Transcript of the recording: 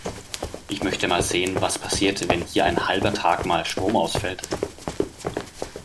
Ich möchte mal sehen, was passiert, wenn hier ein halber Tag mal Strom ausfällt.